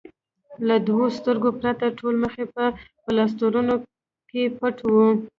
له دوو سترګو پرته ټول مخ یې په پلاسټرونو کې پټ و.